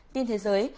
tin thế giới